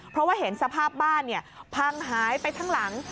เพราะว่าเห็นสภาพบ้านพังหายไปทั้งหลัง